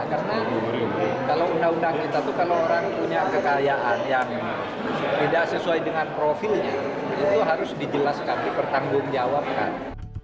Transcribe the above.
karena kalau undang undang kita itu kalau orang punya kekayaan yang tidak sesuai dengan profilnya itu harus dijelaskan dipertanggungjawabkan